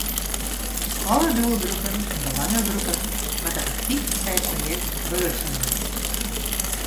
Alle doelgroepen en belangegroepen moatte aktyf by it projekt belutsen wurde.